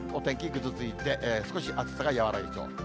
ぐずついて、少し暑さが和らぎそう。